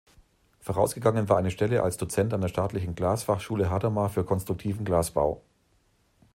Vorausgegangen war eine Stelle als Dozent an der Staatlichen Glasfachschule Hadamar für Konstruktiven Glasbau.